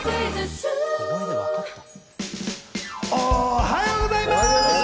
おはようございます。